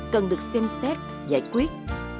cần được xem xét giải quyết